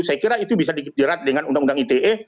saya kira itu bisa dijerat dengan undang undang ite